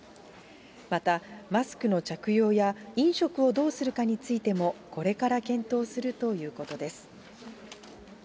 また、マスクの着用や飲食をどうするかについても、これから検討するということです。